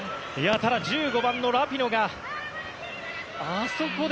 ただ１５番のラピノがあそこで。